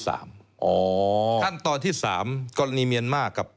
ขั้นตอนที่๓กรณีเมียนมาร์กับ